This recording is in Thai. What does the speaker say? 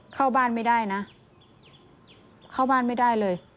เข้าบ้านไม่ได้นะเข้าบ้านไม่ได้เลย